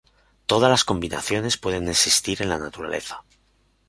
Todas las combinaciones pueden existir en la naturaleza.